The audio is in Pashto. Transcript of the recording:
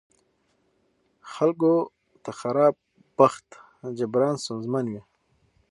خلکو ته خراب بخت جبران ستونزمن وي.